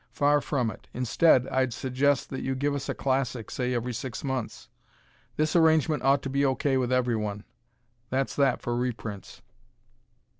Far from it. Instead, I'd suggest that you give us a classic, say, every six months. This arrangement ought to be okay with everyone. That's that for reprints.